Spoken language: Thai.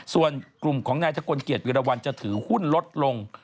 ส่วนกลุ่มของนายทะกลเกียจวิรวรรณจะถือหุ้นลดลง